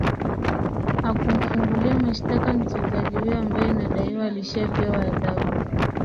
hakumfungulia mashtaka mchezaji huyo ambaye inadaiwa alishapewa adhabu